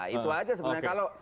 itu aja sebenarnya